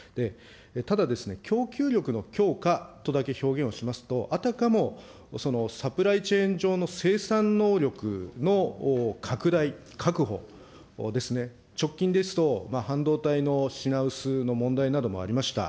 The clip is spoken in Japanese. ただ、供給力の強化とだけ表現をしますと、あたかもサプライチェーン上の生産能力の拡大、確保ですね、直近ですと、半導体の品薄の問題などもありました。